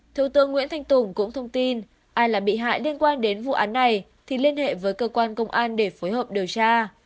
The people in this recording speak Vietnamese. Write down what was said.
thứ tướng nguyễn thanh tùng cũng thông tin ai là bị hại liên quan đến vụ án này thì liên hệ với cơ quan công an để phối hợp điều tra